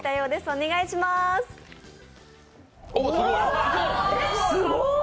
お、すごい！